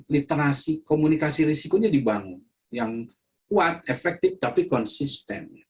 literasi komunikasi risikonya dibangun yang kuat efektif tapi konsisten